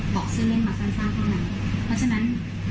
อกเสื้อเล่นมาสั้นเท่านั้นเพราะฉะนั้น